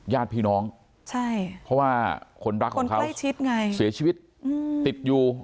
ญาติพี่น้องเพราะว่าคนรักของเขาเสียชีวิตติดอยู่